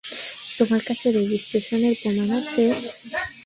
তোমার কাছে রেজিস্ট্রেশনের প্রমাণ আছে?